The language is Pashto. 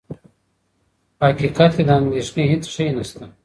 په حقیقت کې د اندېښنې هېڅ شی نه شته.